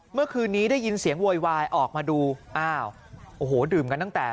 เมื่อคืนนี้ได้ยินเสียงโวยวายออกมาดูอ้าวโอ้โหดื่มกันตั้งแต่